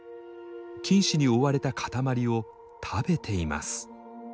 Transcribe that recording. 菌糸に覆われた塊を食べています。